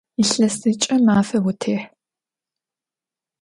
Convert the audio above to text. Илъэсыкӏэ мафэ утехь!